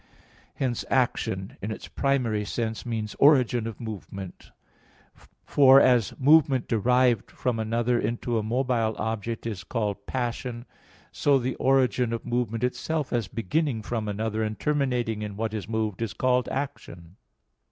Hence action, in its primary sense, means origin of movement; for, as movement derived from another into a mobile object, is called "passion," so the origin of movement itself as beginning from another and terminating in what is moved, is called "action."